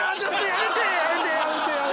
やめてやめて。